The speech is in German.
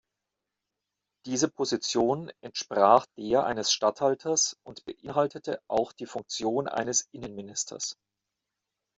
Diese Position entsprach der eines Statthalters und beinhaltete auch die Funktion eines Innenministers.